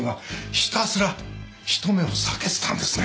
ひたすら人目を避けてたんですね。